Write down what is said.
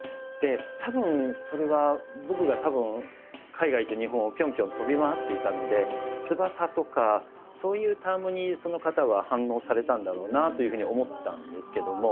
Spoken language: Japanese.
たぶんそれは僕がたぶん海外と日本をぴょんぴょん飛び回っていたので「翼」とかそういう単語にその方は反応されたんだろうなというふうに思ったんですけども。